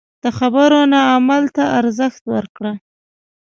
د خبرو نه عمل ته ارزښت ورکړه.